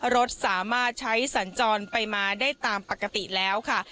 รถสามารถใช้สัญจรไปมาได้ตามปกติแล้วค่ะ